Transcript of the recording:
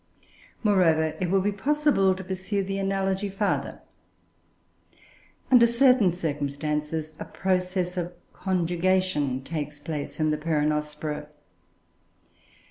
Moreover, it would be possible to pursue the analogy farther. Under certain circumstances, a process of conjugation takes place in the Peronospora.